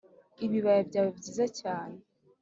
Ibibaya byawe byiza cyane,